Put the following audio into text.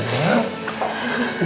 tuh udah sayang